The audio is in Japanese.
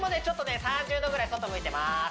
ちょっとね３０度ぐらい外向いてます